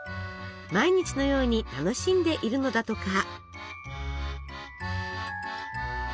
毎日のように楽しんでいるのだとか。